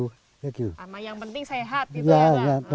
sama yang penting sehat gitu ya